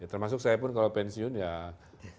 ya termasuk saya pun kalau pensiun ya pastilah